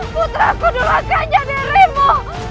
putraku durangkan jadirimu